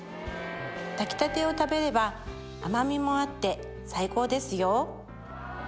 炊きたてを食べれば甘みもあって最高ですよ